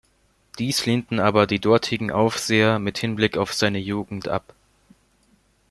Dies lehnten aber die dortigen Aufseher mit Hinblick auf seine Jugend ab.